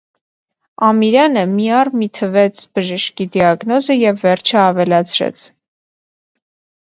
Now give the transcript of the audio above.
Ամիրյանը մի առ մի թվեց բժշկի դիագնոզը և վերջը ավելացրեց.